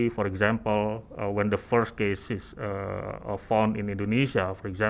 misalnya saat kes pertama terjadi di indonesia